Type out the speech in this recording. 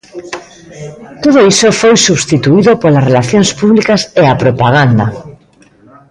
Todo iso foi substituído polas relacións públicas e a propaganda.